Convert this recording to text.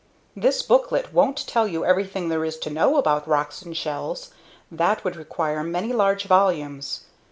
This booklet won't tell you everything there is to know about rocks and shells. That would require many large volumes.